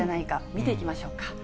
見ていきましょうか。